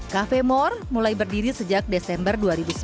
cafe more mulai berdiri sejak desember dua ribu sembilan